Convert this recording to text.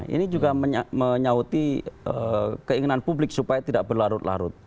ini juga menyauti keinginan publik supaya tidak berlarut larut